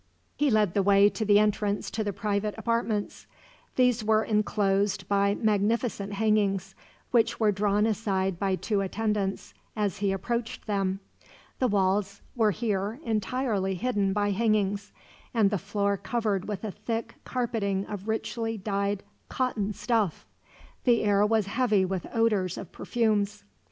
He led the way to the entrance to the private apartments. These were enclosed by magnificent hangings, which were drawn aside by two attendants as he approached them. The walls were here entirely hidden by hangings, and the floor covered with a thick carpeting of richly dyed cotton stuff. The air was heavy with odors of perfumes.